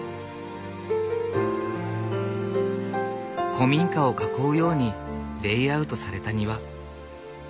古民家を囲うようにレイアウトされた庭。